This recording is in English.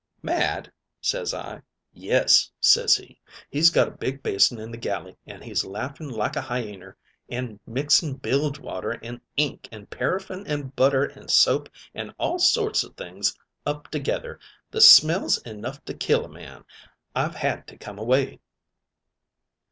"'Mad?' ses I. "'Yes,' ses he. 'He's got a big basin in the galley, an' he's laughing like a hyener an' mixing bilge water an' ink, an' paraffin an' butter an' soap an' all sorts o' things up together. The smell's enough to kill a man; I've had to come away.'